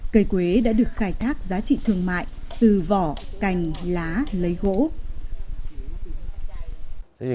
cây quế đã được khai thác giá trị thương mại từ vỏ cành lá lấy gỗ